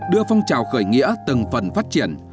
đưa phong trào khởi nghĩa từng phần phát triển